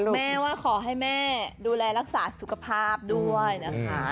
แม่ว่าขอให้แม่ดูแลรักษาสุขภาพด้วยนะคะ